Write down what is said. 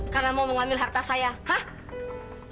karena mau mengambil harta saya hah